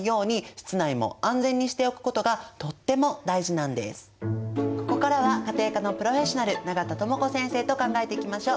なのでここからは家庭科のプロフェッショナル永田智子先生と考えていきましょう。